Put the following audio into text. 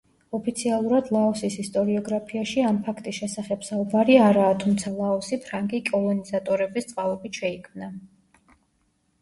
ოფიციალურად ლაოსის ისტორიოგრაფიაში ამ ფაქტის შესახებ საუბარი არაა, თუმცა ლაოსი ფრანგი კოლონიზატორების წყალობით შეიქმნა.